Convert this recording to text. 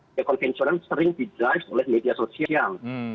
media konvensional sering didrive oleh media sosial